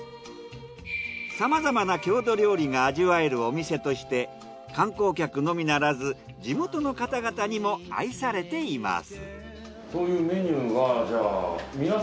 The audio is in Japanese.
さまざまな郷土料理が味わえるお店として観光客のみならず地元の方々にも愛されています。